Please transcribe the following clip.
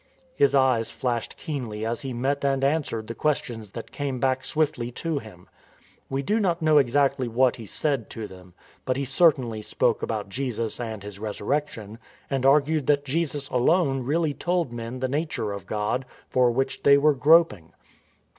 His eyes flashed keenly as he met and answered the questions that came back swiftly to him. We do not know exactly what he said to them, but he certainly spoke about Jesus and His Resurrection, and argued that Jesus alone really told men the nature of God, for which they were groping.